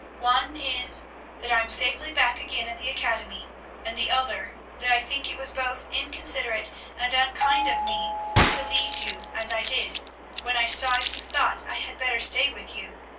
One is, that I am safely back again at the academy, and the other, that I think it was both inconsiderate and unkind for me to leave you as I did, when I saw you thought I had better stay with you.